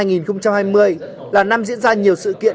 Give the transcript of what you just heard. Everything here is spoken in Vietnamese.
năm hai nghìn hai mươi là năm diễn ra nhiều sự kiện